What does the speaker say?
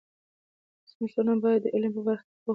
زموږ ټولنه باید د علم په برخه کې پوخ وټاکل سي.